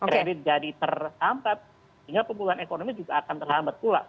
kredit jadi terhambat sehingga pembuluhan ekonomi juga akan terhambat pula